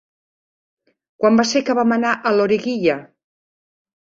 Quan va ser que vam anar a Loriguilla?